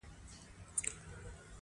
زه په پاړسي زبه نه پوهيږم